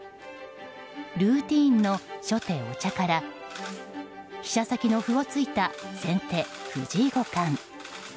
ルーティンの初手お茶から飛車先の歩を突いた先手、藤井五冠。